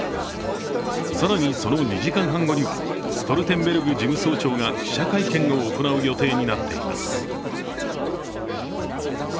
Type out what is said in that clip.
更に、その２時間半後にはストルテンベルグ事務総長が記者会見を行う予定になっています。